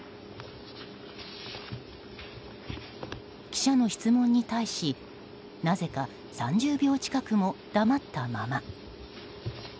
記者の質問に対しなぜか３０秒近くも黙ったまま。